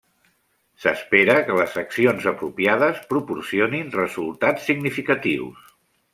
S'espera que les accions apropiades proporcionin resultats significatius.